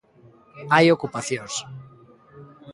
Hai ocupacións.